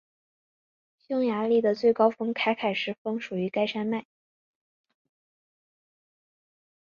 匈牙利的最高峰凯凯什峰属于该山脉。